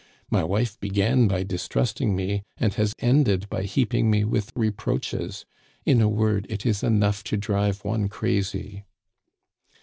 My wife began by distrusting me, and has ended by heaping me with reproaches. In a word, it is enough to drive one crazy.'